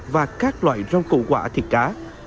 và các loại rau củ quả thịt cá